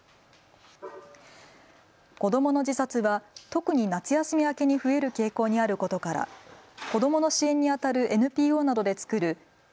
子どもの自殺は特に夏休み明けに増える傾向にあることから子どもの支援にあたるＮＰＯなどで作る＃